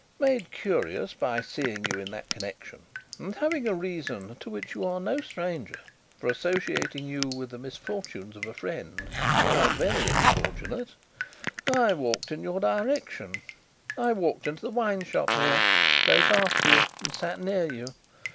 Made curious by seeing you in that connection, and having a reason, to which you are no stranger, for associating you with the misfortunes of a friend now very unfortunate, I walked in your direction. I walked into the wine shop here, close after you, and sat near you.